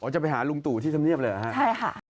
จะไปหาลุงตู่ที่ธรรมเนียบเลยเหรอฮะใช่ค่ะ